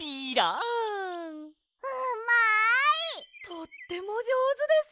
とってもじょうずです。